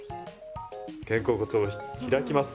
肩甲骨を開きます。